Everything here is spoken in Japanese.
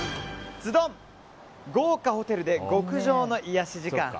豪華ホテルで極上の癒やし時間。